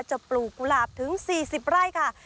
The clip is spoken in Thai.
ปลูกกุหลาบถึง๔๐ไร่ค่ะ